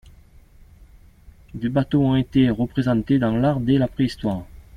Des bateaux ont été représentés dans l'art dès la préhistoire.